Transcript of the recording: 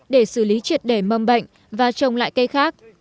để xử lý triệt để mâm bệnh và trồng lại cây khác